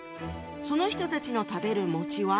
その人たちの食べるは？